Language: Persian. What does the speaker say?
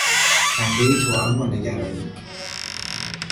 خندهی توام با نگرانی